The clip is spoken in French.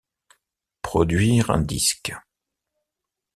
Produire un disque.